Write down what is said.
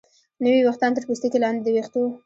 نوي ویښتان تر پوستکي لاندې د ویښتو